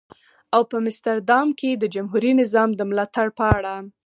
او په مستر دام کې د جمهوري نظام د ملاتړ په اړه.